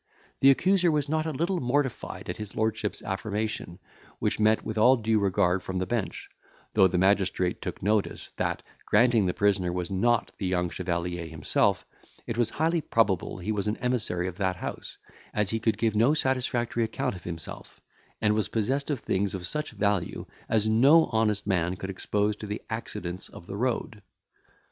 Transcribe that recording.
The accuser was not a little mortified at his lordship's affirmation, which met with all due regard from the bench, though the magistrate took notice, that, granting the prisoner was not the Young Chevalier himself, it was highly probable he was an emissary of that house, as he could give no satisfactory account of himself, and was possessed of things of such value as no honest man could expose to the accidents of the road.